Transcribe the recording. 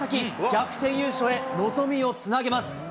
逆転優勝へ望みをつなぎます。